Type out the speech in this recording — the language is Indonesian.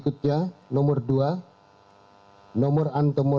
dan menandakan berdasarkan medis jenis kelaminnya perempuan